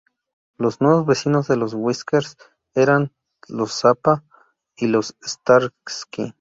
Los nuevos vecinos de los Whiskers eran los Zappa y los Starsky.